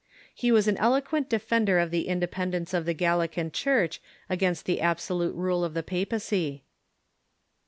He was an eloquent defender of the independence of the Galilean Church against the absolute rule of the papacy.